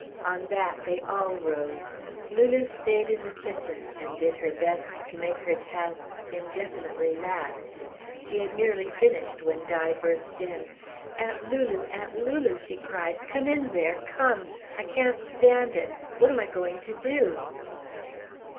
On that they all rose. Lulu stayed in the kitchen and did her best to make her tasks indefinitely last. She had nearly finished when Di burst in. "Aunt Lulu, Aunt Lulu!" she cried. "Come in there come. I can't stand it. What am I going to do?"